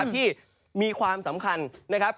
ที่มีความสำคัญนะครับ